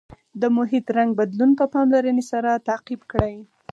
د محیط رنګ بدلون په پاملرنې سره تعقیب کړئ.